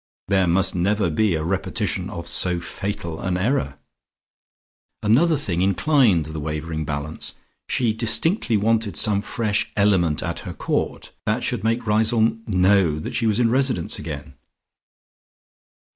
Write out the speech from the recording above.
There must never be a repetition of so fatal an error. Another thing inclined the wavering balance. She distinctly wanted some fresh element at her court, that should make Riseholme know that she was in residence again.